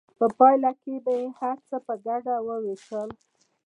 په پایله کې به یې هر څه په ګډه ویشل.